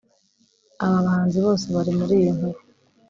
Aba bahanzi bose bari muri iyi nkuru